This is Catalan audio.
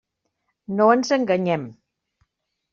No ens enganyem.